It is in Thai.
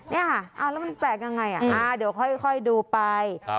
นี่ค่ะแล้วมันแปลกยังไงเดี๋ยวค่อยดูไป